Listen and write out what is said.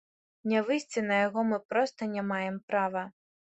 Не выйсці на яго мы проста не маем права.